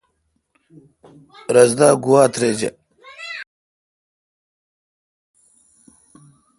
رس دا گوا ترجہ ۔